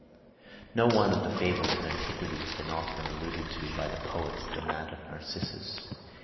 No one of the fables of antiquity has been oftener alluded to by the poets than that of Narcissus.